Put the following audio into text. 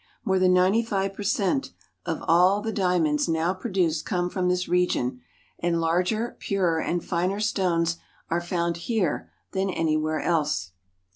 More than ninety five per cent of all the Roi.gh diamonds now produced come from this region, and larger, purer, and finer stones are found here than anywhere else.